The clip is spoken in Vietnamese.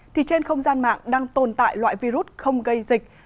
thì trên không gian mạng đang tồn tại loại virus không gây dịch